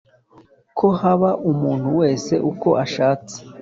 ko baha umuntu wese uko ashatse